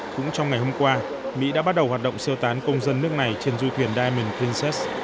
cũng trong ngày hôm qua mỹ đã bắt đầu hoạt động sơ tán công dân nước này trên du thuyền diamond princess